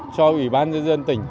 cho ủy ban dân dân tỉnh